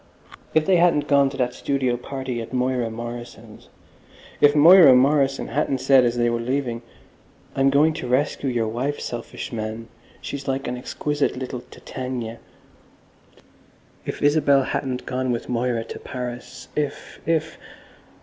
If they hadn't gone to that studio party at Moira Morrison's—if Moira Morrison hadn't said as they were leaving, "I'm going to rescue your wife, selfish man. She's like an exquisite little Titania"—if Isabel hadn't gone with Moira to Paris—if—if....